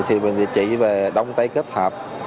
thì mình điều trị về đông tay kết hợp